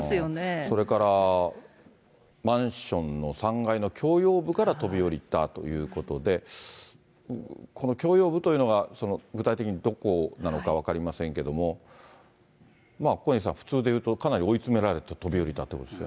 それから、マンションの３階の共用部から飛び降りたということで、共用部というのは、具体的にどこなのか分かりませんけれども、小西さん、普通でいうと、かなり追い詰められて飛び降りたということですよ